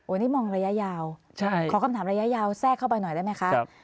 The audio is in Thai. วันนี้มองระยะยาวขอคำถามระยะยาวแทรกเข้าไปหน่อยได้ไหมคะ